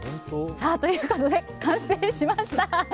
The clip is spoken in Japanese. ということで完成しました。